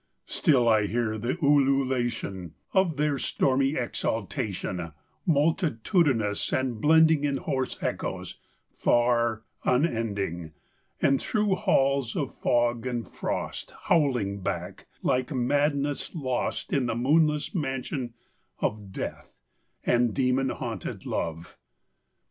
Still I hear the ululation Of their stormy exultation, Multitudinous, and blending In hoarse echoes, far, unending; And, through halls of fog and frost, Howling back, like madness lost In the moonless mansion of Death and demon haunted love.